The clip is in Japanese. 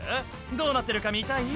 「どうなってるか見たい？」